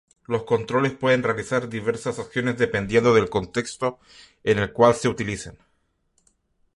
Los controles pueden realizar diversas acciones dependiendo del contexto en el cual se utilicen.